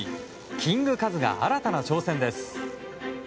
キングカズが新たな挑戦です。